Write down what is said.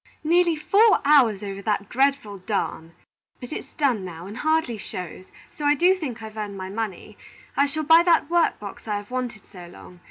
"Nearly four hours over that dreadful darn! But it's done now, and hardly shows, so I do think I've earned my money. I shall buy that work box I have wanted so long.